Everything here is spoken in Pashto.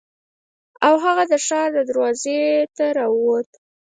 او هغه د ښار دروازې ته راووت.